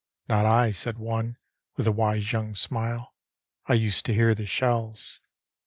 " Not 1," said one, with a wise young smile, " I used to hear the shells.